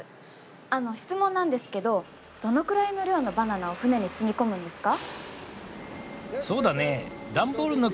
あの質問なんですけどどのくらいの量のバナナを船に積み込むんですか？